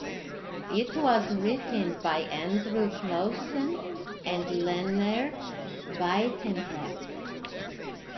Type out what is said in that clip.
It was written by Andrew Clausen and Lennert Buytenhek.